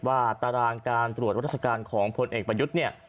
ว่าตารางการตรวจวัตรศกาลของพลเอกประยุทธเนี่ย